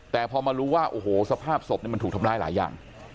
แต่พอมารู้ว่าโอ้โหสภาพศพมันถูกทำร้ายหลายอย่าง